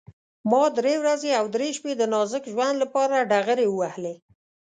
ما درې ورځې او درې شپې د نازک ژوند لپاره ډغرې ووهلې.